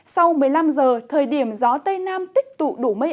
sau một mươi năm giờ thời điểm gió tây nam tích tụ đủ mây